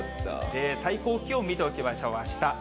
最高気温見ておきましょう、あした。